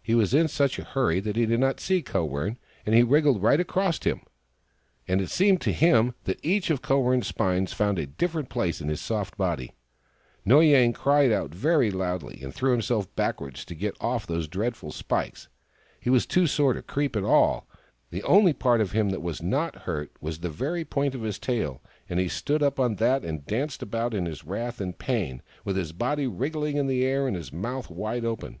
He was in such a hurry that he did not see Kowern, and he wriggled right across him — and it seemed to him that each of Kowern 's spines found a different place in his soft body. Noy Yang cried out very loudly and threw him self backwards to get off those dreadful spikes. He was too sore to creep at all : the only part of him that was not hurt was the very point of his tail, and he stood up on that and danced about in his wrath and pain, with his body wriggling in the air, and his mouth wide open.